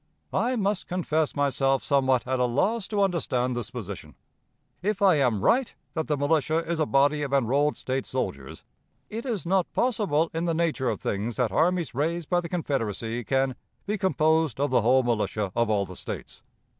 "I must confess myself somewhat at a loss to understand this position. If I am right that the militia is a body of enrolled State soldiers, it is not possible in the nature of things that armies raised by the Confederacy can 'be composed of the whole militia of all the States.'